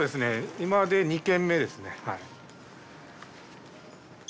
今で２軒目ですね。